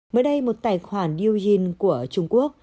mới đây một tài khoản newyin của trung quốc